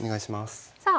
さあ